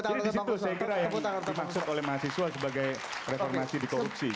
jadi disitu saya kira yang dimaksud oleh mahasiswa sebagai reformasi di korupsi